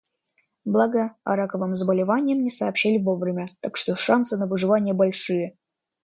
Благо, о раковом заболевании мне сообщили вовремя, так что шансы на выживание большие.